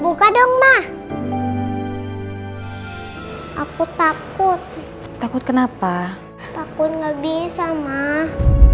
buka dong mah aku takut takut kenapa takut nggak bisa mah